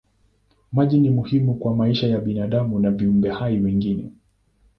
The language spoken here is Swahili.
Maji ni muhimu kwa maisha ya binadamu na viumbe hai wengine.